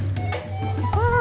beberapa hari itu sudah semuanya